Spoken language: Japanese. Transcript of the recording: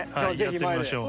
やってみましょう。